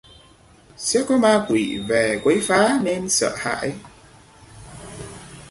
sẽ có ma quỷ về quấy phá nên sợ hãi